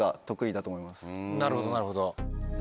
なるほどなるほど。